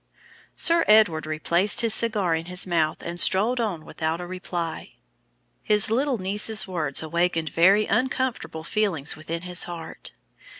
Sir Edward replaced his cigar in his mouth and strolled on without a reply. His little niece's words awakened very uncomfortable feelings within his heart.